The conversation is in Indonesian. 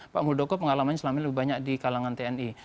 pak muldoko pengalamannya selama ini lebih banyak di kalangan tni